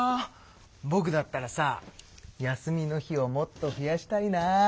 ぼくだったらさ休みの日をもっと増やしたいな。